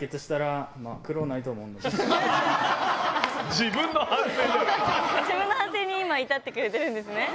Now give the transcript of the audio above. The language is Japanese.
自分は自分の反省に今いたってくれてるんですね。